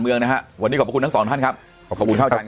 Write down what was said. เมืองนะฮะวันนี้ขอบคุณนักสอบท่านครับขอบคุณช่วยอาทิตย์